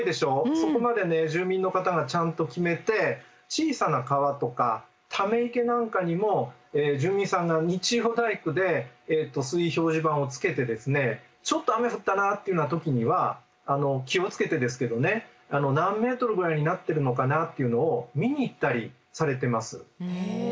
そこまで住民の方がちゃんと決めて小さな川とかため池なんかにも住民さんが日曜大工で水位表示板をつけてですねちょっと雨降ったなっていうような時には気を付けてですけどね何ｍぐらいになってるのかなっていうのを見に行ったりされてます。